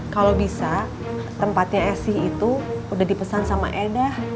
kalau bisa tempatnya esih itu sudah dipesan sama edah